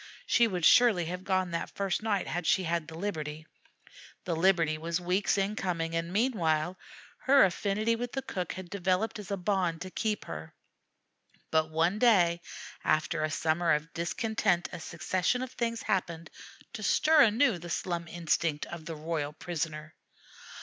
She would surely have gone that first night had she had the liberty. The liberty was weeks in coming, and, meanwhile, her affinity with the cook had developed as a bond to keep her; but one day after a summer of discontent a succession of things happened to stir anew the slum instinct of the royal prisoner.